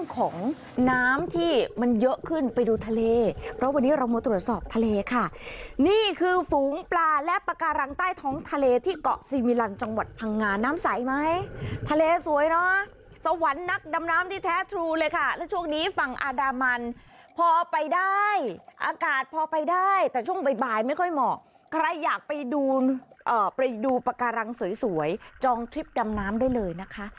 ของน้ำที่มันเยอะขึ้นไปดูทะเลเพราะวันนี้เรามาตรวจสอบทะเลค่ะนี่คือฝูงปลาและปากการังใต้ท้องทะเลที่เกาะซีมิลันจังหวัดพังงานน้ำใสไหมทะเลสวยเนอะสวรรค์นักดำน้ำที่แท้ทรูเลยค่ะแล้วช่วงนี้ฝั่งอันดามันพอไปได้อากาศพอไปได้แต่ช่วงบ่ายไม่ค่อยเหมาะใครอยากไปดูไปดูปากการังสวยจองทริปดำน้ำได้เลยนะคะ